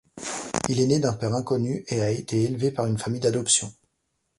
Il est né d'un père inconnu et a été élevé par une famille d'adoption.